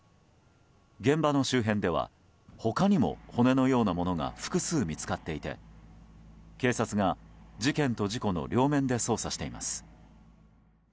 現場の周辺では他にも骨のようなものが複数見つかっていて警察が事件と事故の両面で捜査しています。